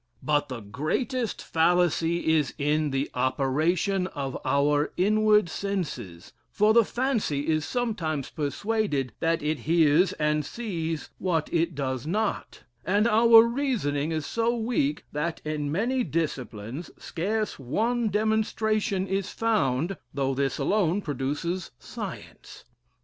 But the greatest fallacy is in the operation of our inward senses; for the fancy is sometimes persuaded that it hears and sees what it does not, and our reasoning is so weak, that in many disciplines scarce one demonstration is found, though this alone produces science.